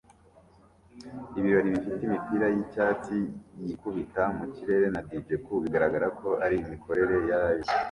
Ibirori bifite imipira yicyatsi yikubita mu kirere na DJ ku bigaragara ko ari imikorere ya Live